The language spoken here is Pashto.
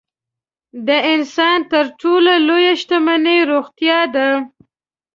د انسان تر ټولو لویه شتمني روغتیا ده.